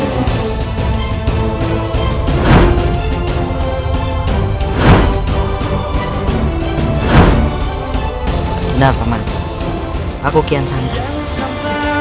kenapa man aku kian santan